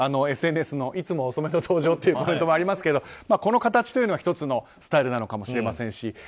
ＳＮＳのいつも遅めの登場というコメントもありますけどこの形というのは１つのスタイルなのかもしれませんし